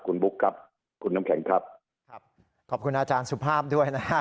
คุณบุ๊คครับคุณน้ำแข็งครับครับขอบคุณอาจารย์สุภาพด้วยนะฮะ